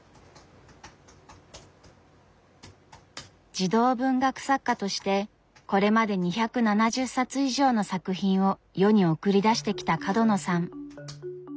児童文学作家としてこれまで２７０冊以上の作品を世に送り出してきた角野さん。